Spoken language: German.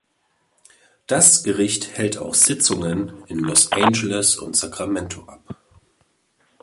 Das Gericht hält auch Sitzungen in Los Angeles und Sacramento ab.